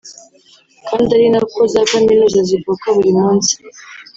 kandi ari nako za kaminuza zivuka buri munsi